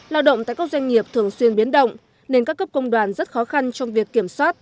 lao động tại các doanh nghiệp thường xuyên biến động nên các cấp công đoàn rất khó khăn trong việc kiểm soát